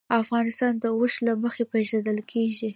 افغانستان د اوښ له مخې پېژندل کېږي.